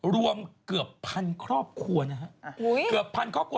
รวมเกือบ๑๐๐๐ครอบครัว